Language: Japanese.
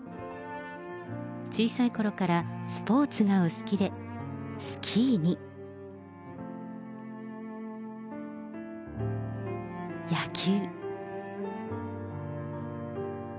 小さいころからスポーツがお好きで、スキーに、野球。